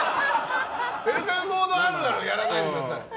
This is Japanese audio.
ウェルカムボードあるあるやらないでください。